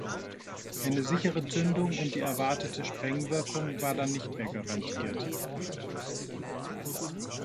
Eine sichere Zündung und die erwartete Sprengwirkung war dann nicht mehr garantiert.